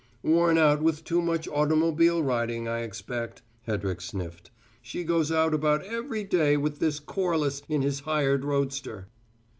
"Worn out with too much automobile riding, I expect," Hedrick sniffed. "She goes out about every day with this Corliss in his hired roadster."